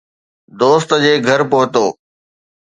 دوست جي گهر پهتو